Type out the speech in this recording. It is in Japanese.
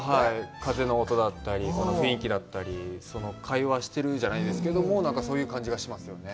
風の音だったり、雰囲気だったり会話してるじゃないですけども、そういう感じがしますよね。